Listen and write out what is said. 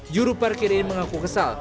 juru parkir ini mengaku kesal